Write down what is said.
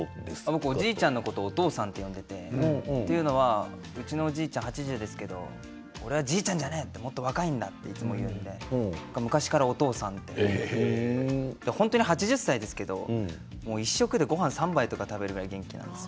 僕をおじいちゃんのことをお父さんと呼んでいてうちのおじいちゃん８０ですけれどもおじいちゃんじゃないもっと若いんだって言っていて昔からお父さんと言っていて８０歳ですけれども１食でごはん３杯食べるぐらい元気なんです。